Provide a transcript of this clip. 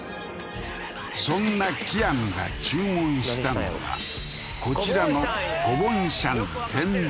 そんなキアヌが注文したのがこちらのキアヌこれ？